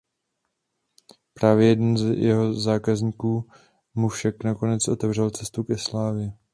Právě jeden z jeho zákazníků mu však nakonec otevřel cestu ke slávě.